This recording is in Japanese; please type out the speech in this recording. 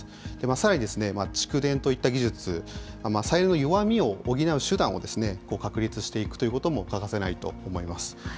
さらに蓄電といった技術、再エネの弱みを補う手段を確立していくということも欠かせないと思います。